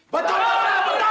betul pak ustadz